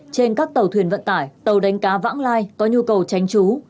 trên các tàu thuyền vận tải tàu đánh cá vãng lai có nhu cầu tránh trú